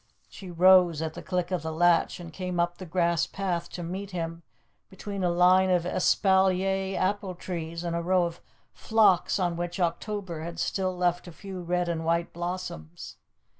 She rose at the click of the latch, and came up the grass path to meet him between a line of espalier apple trees and a row of phlox on which October had still left a few red and white blossoms.